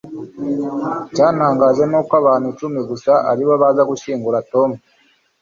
icyantangaje nuko abantu icumi gusa aribo baza gushyingura tom